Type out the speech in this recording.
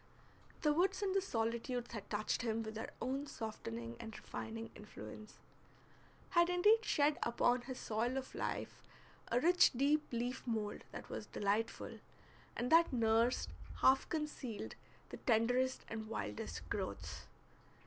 The woods and the solitudes had touched him with their own softening and refining influence; had indeed shed upon his soil of life a rich deep leaf mould that was delightful, and that nursed, half concealed, the tenderest and wildest growths.